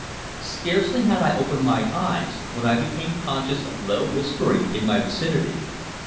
Scarcely had I opened my eyes when I became conscious of low whispering in my vicinity.